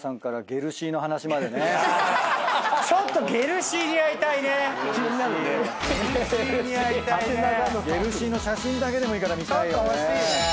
ゲルシーの写真だけでもいいから見たいよね。